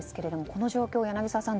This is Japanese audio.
この状況、柳澤さん